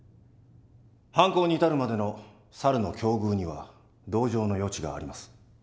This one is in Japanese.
犯行に至るまでの猿の境遇には同情の余地があります。